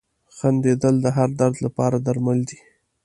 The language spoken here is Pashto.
• خندېدل د هر درد لپاره درمل دي.